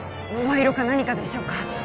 賄賂か何かでしょうか？